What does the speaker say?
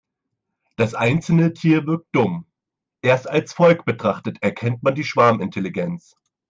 Das einzelne Tier wirkt dumm, erst als Volk betrachtet erkennt man die Schwarmintelligenz.